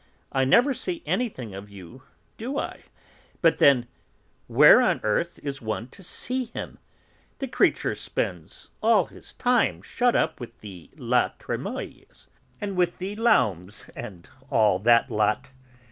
I never see anything of you, do I? But then, where on earth is one to see him? The creature spends all his time shut up with the La Trémoïlles, with the Laumes and all that lot!"